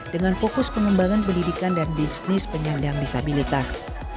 dengan fokus pengembangan pendidikan dan bisnis penyandang disabilitas